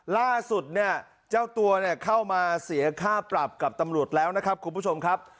ล่าสุดเนี่ยเจ้าตัวเนี่ยเข้ามาเสียค่าปรับกับตำรวจแล้วนะครับคุณผู้ชมครับ